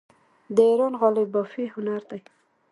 د ایران غالۍ بافي هنر دی.